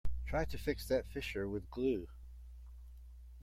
Try to fix that fissure with glue.